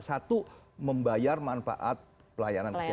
satu membayar manfaat pelayanan kesehatan